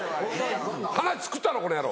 話作ったろこの野郎！